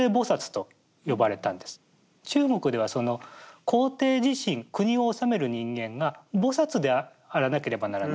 中国ではその皇帝自身国を治める人間が菩であらなければならない。